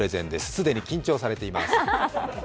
既に緊張されています。